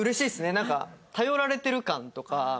なんか頼られてる感とか。